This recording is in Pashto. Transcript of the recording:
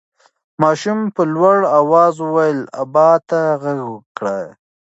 ماشوم په لوړ اواز خپل ابا ته غږ کړ.